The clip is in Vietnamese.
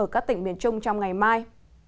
các tỉnh miền trung trong ngày mai